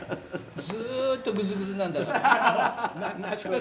ずーっと、ぐずぐずなんだから。